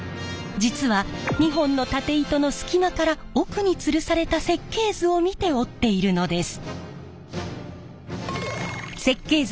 実は２本の縦糸の隙間から奥に吊るされた設計図を見て織っているのです。